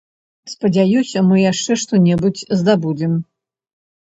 Спадзяюся, мы яшчэ што-небудзь здабудзем.